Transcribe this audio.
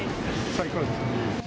最高です。